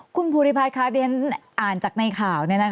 คุณภูริพัฒน์ค่ะเรียนอ่านจากในข่าว